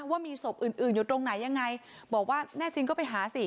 ว่ามีศพอื่นอื่นอยู่ตรงไหนยังไงบอกว่าแน่จริงก็ไปหาสิ